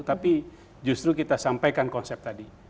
tapi justru kita sampaikan konsep tadi